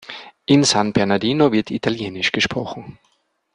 In San Bernardino wird italienisch gesprochen.